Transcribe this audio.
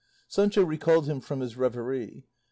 Sancho recalled him from his reverie.